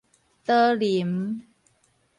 多林